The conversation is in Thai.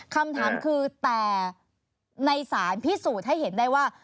คำถามคือแต่ในสารพิสูจน์ให้เห็นได้ว่า